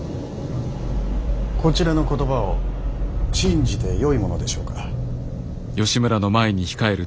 こちらの言葉を信じてよいものでしょうか。